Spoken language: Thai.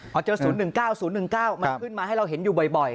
พอเจอ๐๑๙๐๑๙มันขึ้นมาให้เราเห็นอยู่บ่อย